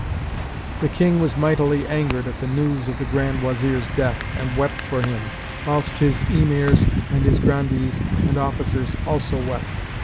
The King was mightily angered at the news of the Grand Wazir's death and wept for him, whilst his Emirs and his Grandees and officers also wept.